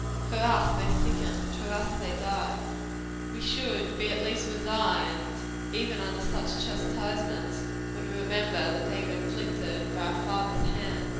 "For us they sicken, and for us they die." We should be at least resigned, even under such chastisements, when we remember they are inflicted by a Father's hand.